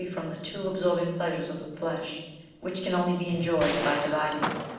from the too absorbing pleasures of the flesh, which can only be enjoyed by dividing.